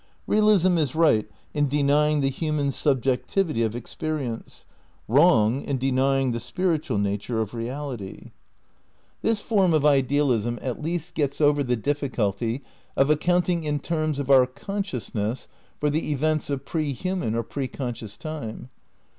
Realism is right in denying the human subjectivity of experience, wrong in denying the spiritual nature of reality. XI EECONSTEUCTION OF IDEALISM 301 This form of idealism at least gets over the diffi culty of accounting in terms of our consciousness for the events of pre human or pre conscious time.